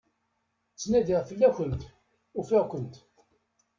Ttnadiɣ fell-akent, ufiɣ-kent.